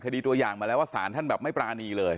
ตัวอย่างมาแล้วว่าสารท่านแบบไม่ปรานีเลย